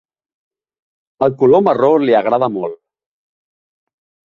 El color marró li agrada molt.